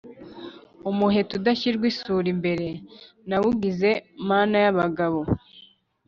Umuheto udashyirwa isuli imbere, nawugize mana y’abagabo